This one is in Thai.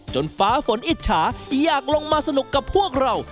ฟ้าฝนอิจฉาอยากลงมาสนุกกับพวกเรา